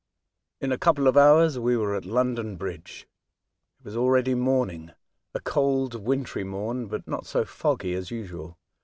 IN a couple of hours we were at London Bridge. It was already morning — a cold wintry morn, but not so foggy as usual.